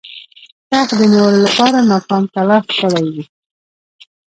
تخت د نیولو لپاره ناکام تلاښ کړی وو.